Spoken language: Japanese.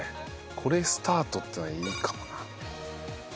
これスタートっていうのはいいかもな。